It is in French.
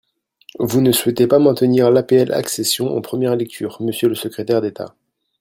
Vous ne souhaitez pas maintenir l’APL accession en première lecture, monsieur le secrétaire d’État.